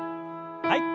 はい。